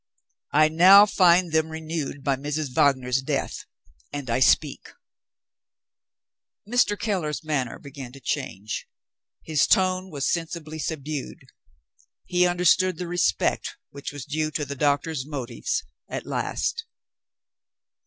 I now find them renewed by Mrs. Wagner's death and I speak." Mr. Keller's manner began to change. His tone was sensibly subdued. He understood the respect which was due to the doctor's motives at last.